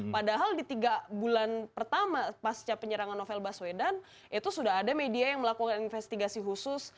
padahal di tiga bulan pertama pasca penyerangan novel baswedan itu sudah ada media yang melakukan investigasi khusus